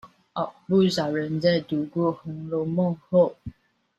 不少人在讀過紅樓夢後